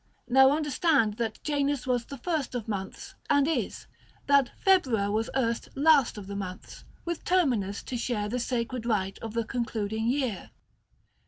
Now understand that Janus was the first 35 Of months, and is ; that Februa was erst Last of the months, with Terminus to share The sacred rites of the concluding year.